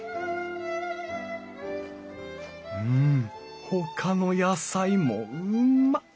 うんほかの野菜もうんま！